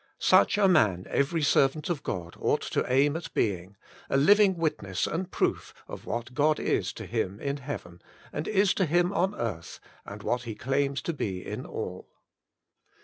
Such a man every servant of God ought to aim at being — a living witness and proof of what God is to him in heaven, and is to him on earth, and what He claims to be in all.